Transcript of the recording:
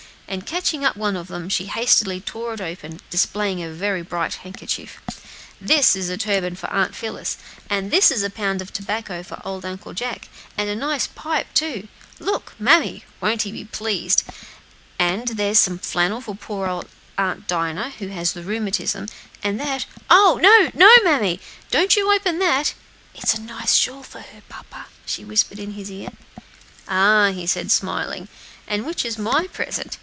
and catching up one of them, she hastily tore it open, displaying a very gay handkerchief. "This is a turban for Aunt Phillis; and this is a pound of tobacco for old Uncle Jack, and a nice pipe, too. Look, mammy! won't he be pleased? And here's some flannel for poor old Aunt Dinah, who has the rheumatism; and that oh! no, no, mammy! don't you open that! It's a nice shawl for her, papa," she whispered in his ear. "Ah!" he said, smiling; "and which is my present?